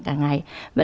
vẫn đảm bảo